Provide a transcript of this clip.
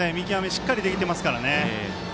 しっかりできてますからね。